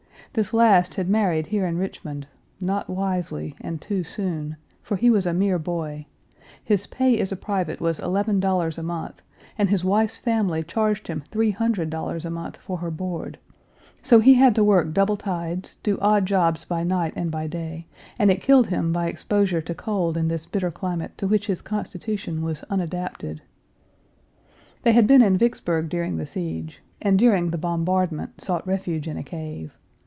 This last had married here in Richmond, not wisely, and too soon, for he was a mere boy; his pay as a private was eleven dollars a month, and his wife's family charged him three hundred dollars a month for her board; so he had to work double tides, do odd jobs by night and by day, and it killed him by exposure to cold in this bitter climate to which his constitution was unadapted. They had been in Vicksburg during the siege, and during the bombardment sought refuge in a cave.